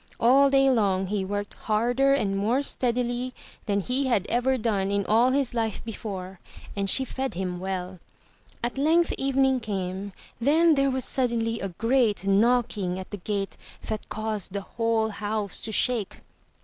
All day long he worked harder and more steadily than he had ever done in all his life before and she fed him well. At length evening came, then there was suddenly a great knocking at the gate that caused the whole house to shake.